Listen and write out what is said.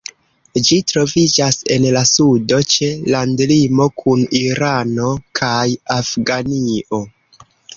Ĝi troviĝas en la sudo, ĉe landlimo kun Irano kaj Afganio.